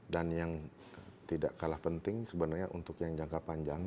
dan yang tidak kalah penting sebenarnya untuk yang jangka panjang